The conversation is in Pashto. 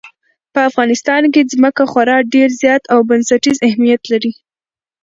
په افغانستان کې ځمکه خورا ډېر زیات او بنسټیز اهمیت لري.